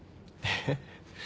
えっ？